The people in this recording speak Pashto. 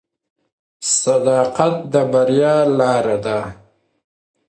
صداقت د بریا لاره ده.